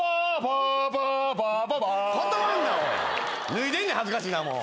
脱いでんねん恥ずかしいなもう。